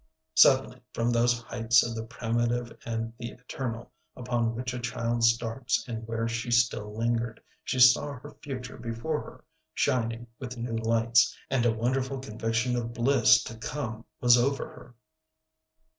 Suddenly from those heights of the primitive and the eternal upon which a child starts and where she still lingered she saw her future before her, shining with new lights, and a wonderful conviction of bliss to come was over her.